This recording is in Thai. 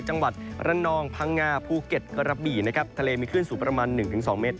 จังหวัดระนองพังงาภูเก็ตกระบี่นะครับทะเลมีคลื่นสูงประมาณ๑๒เมตร